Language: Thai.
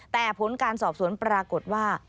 แต่ผลการสอบสวนปรากฏว่า